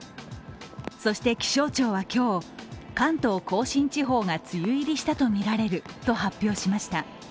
そして、気象庁は今日関東甲信地方が梅雨入りしたとみられると発表しました。